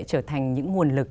trở thành những nguồn lực